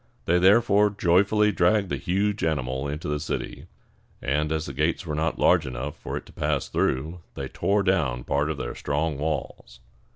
They therefore joyfully dragged the huge animal into the city; and, as the gates were not large enough for it to pass through, they tore down part of their strong walls.